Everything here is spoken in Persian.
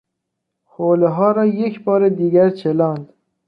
حولهها را یک بار دیگر چلاند.